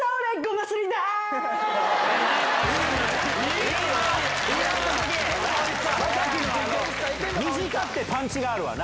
昌暉の短くてパンチがあるわな。